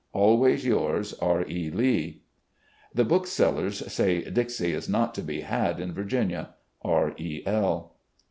Always yours, "R. E. Lee." "The bookseUers say 'Dixie' is not to be had in Vir ginia. R. E. L."